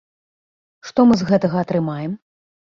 Што мы з гэтага атрымаем?